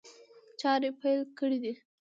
چاري پيل کړي دي.